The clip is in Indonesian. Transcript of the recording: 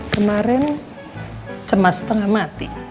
kemarin cemas setengah mati